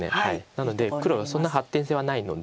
なので黒はそんな発展性はないので。